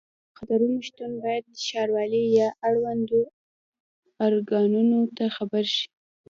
د داسې خطرونو شتون باید ښاروالۍ یا اړوندو ارګانونو ته خبر شي.